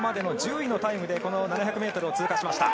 １０位のタイムで７００ｍを通過。